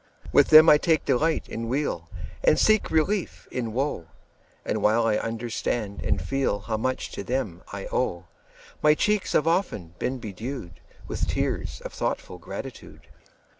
With them I take delight in weal And seek relief in woe; And while I understand and feel How much to them I owe, 10 My cheeks have often been bedew'd With tears of thoughtful gratitude.